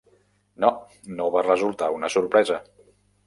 No, no va resultar una sorpresa.